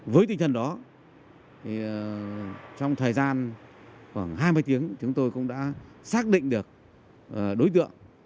với tinh thần đó trong thời gian khoảng hai mươi tiếng chúng tôi cũng đã xác định được đối tượng